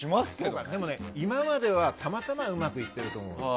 でもね、今まではたまたまうまくいってると思う。